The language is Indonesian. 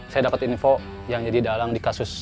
saya dapat info yang jadi dalang di kasus bubun